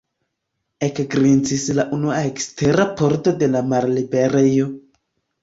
Ekgrincis la unua ekstera pordo de la malliberejo.